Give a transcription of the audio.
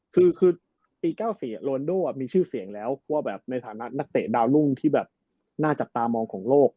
คือปี๙๔โรนโดมีชื่อเสียงแล้วว่าแบบในฐานะนักเตะดาวรุ่งที่แบบน่าจับตามองของโลก